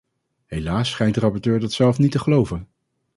Helaas schijnt de rapporteur dat zelf niet te geloven.